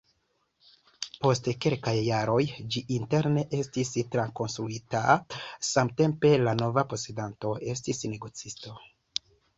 Post kelkaj jaroj ĝi interne estis trakonstruita, samtempe la nova posedanto estis negocisto.